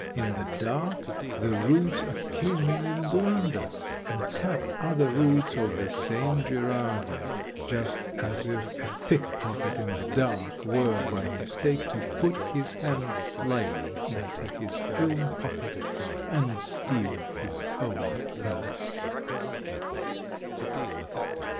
In the dark the roots occasionally blunder and tap other roots of the same Gerardia, just as if a pickpocket in the dark were by mistake to put his hand slyly into his own pocket and steal his own purse.